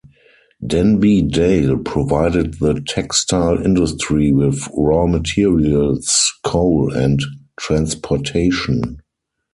Denby Dale provided the textile industry with raw materials, coal, and transportation.